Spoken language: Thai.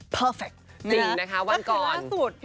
เพอร์เฟคถ้าคือล่าสุด